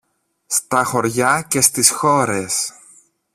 στα χωριά και στις χώρες.